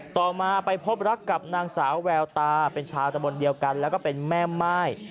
ต่อมาไปพบรักกับนางสาวแววตาเป็นชาวตะบนเดียวกันแล้วก็เป็นแม่ม่าย